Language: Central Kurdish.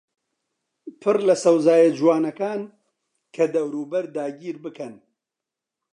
پڕ لە سەوزاییە جوانەکان کە دەوروبەر داگیربکەن